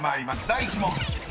第１問］